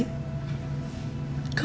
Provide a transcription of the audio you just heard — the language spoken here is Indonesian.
kalau kay tau